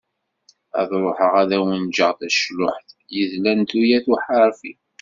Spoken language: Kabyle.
Ad ruḥeγ ad awen-ğğeγ tacluḥt, yedlen tuyat uḥerfi.